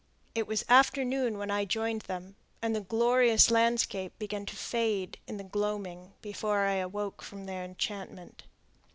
It was afternoon when I joined them, and the glorious landscape began to fade in the gloaming before I awoke from their enchantment.